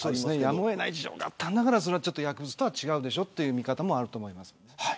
やむを得ない事情があったんだから薬物とは違うという見方もある。